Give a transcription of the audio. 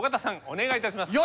お願いいたします。